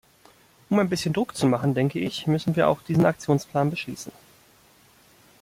Um ein bisschen Druck zu machen, denke ich, müssen wir auch diesen Aktionsplan beschließen.